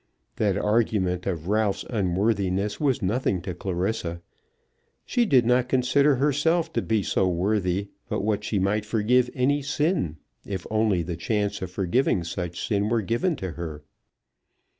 That argument of Ralph's unworthiness was nothing to Clarissa. She did not consider herself to be so worthy but what she might forgive any sin, if only the chance of forgiving such sin were given to her.